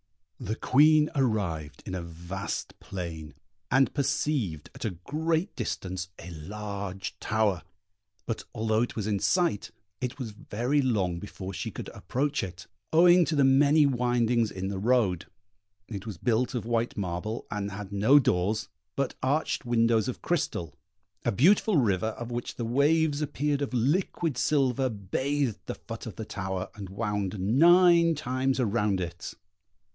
The Queen arrived in a vast plain, and perceived, at a great distance, a large tower; but although it was in sight, it was very long before she could approach it, owing to the many windings in the road. It was built of white marble, and had no doors, but arched windows of crystal; a beautiful river, of which the waves appeared of liquid silver, bathed the foot of the tower, and wound nine times around it.